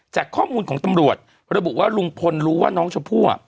จากข้อมูลของตำรวจระบุว่าลุงพลรู้ว่าน้องชมพู่